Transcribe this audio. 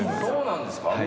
そうなんですか。